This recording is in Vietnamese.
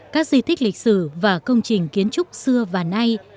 các di tích lịch sử và công trình kiến trúc xưa và nay